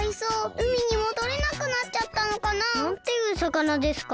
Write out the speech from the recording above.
うみにもどれなくなっちゃったのかな。なんていうさかなですか？